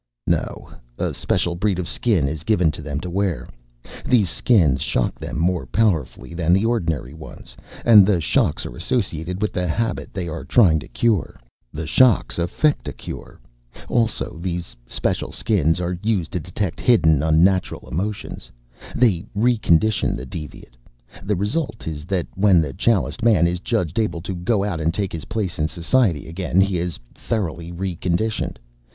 "No. A special breed of Skin is given them to wear. These Skins shock them more powerfully than the ordinary ones, and the shocks are associated with the habit they are trying to cure. The shocks effect a cure. Also, these special Skins are used to detect hidden unnatural emotions. They re condition the deviate. The result is that when the Chaliced Man is judged able to go out and take his place in society again, he is thoroughly re conditioned.